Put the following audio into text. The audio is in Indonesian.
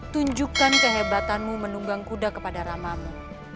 tunjukkan kehebatanmu menunggang kuda kepada ramamu